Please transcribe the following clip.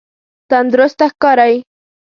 تندرسته ښکاری؟